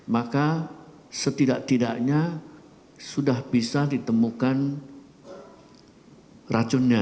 maka setidak tidaknya sudah bisa ditemukan racunnya